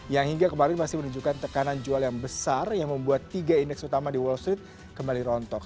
yang hingga kemarin masih menunjukkan tekanan jual yang besar yang membuat tiga indeks utama di wall street kembali rontok